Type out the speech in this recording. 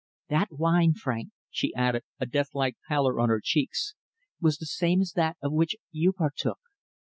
That wine, Frank," she added, a deathlike pallor on her cheeks, "was the same as that of which you partook.